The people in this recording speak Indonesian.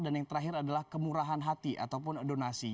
dan yang terakhir adalah kemurahan hati ataupun donasi